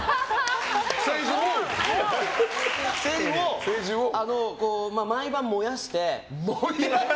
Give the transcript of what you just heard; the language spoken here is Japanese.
セージを毎晩、燃やして。